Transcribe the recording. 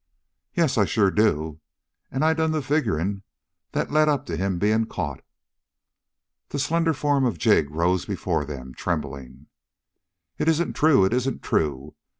"Yes, I sure do! And I done the figuring that led up to him being caught." The slender form of Jig rose before them, trembling. "It isn't true! It isn't true!